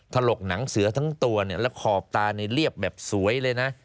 ถลกหนังเสือทั้งตัวและขอบตาเรียบแบบสวยเลยนะ